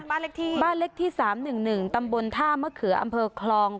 บ้านเล็กที่บ้านเล็กที่สามหนึ่งหนึ่งตำบลท่ามะเขืออำเภอคลอง